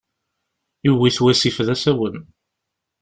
Yewwi-t wasif d asawen.